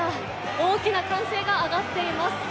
大きな歓声が上がっています。